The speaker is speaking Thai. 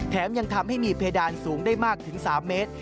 ยังทำให้มีเพดานสูงได้มากถึง๓เมตร